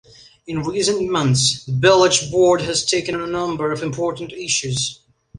In recent months the village board has taken on a number of important issues.